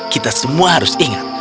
kita semua harus ingat